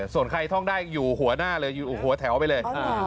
ส่วนใครท่องได้อยู่หัวหน้าเลยอยู่หัวแถวไปเลย